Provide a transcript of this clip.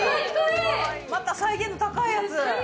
また再現度高いやつ。